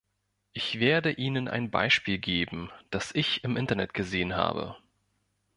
Ich werde Ihnen ein Beispiel geben, das ich im Internet gesehen habe.